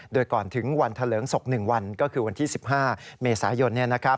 โดยก่อนถึงวันเถลิงศพ๑วันก็คือวันที่๑๕เมษายน